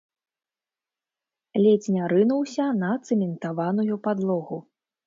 Ледзь не рынуўся на цэментаваную падлогу.